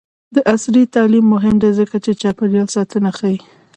عصري تعلیم مهم دی ځکه چې چاپیریال ساتنه ښيي.